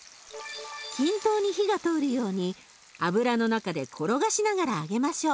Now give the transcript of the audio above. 均等に火が通るように油の中で転がしながら揚げましょう。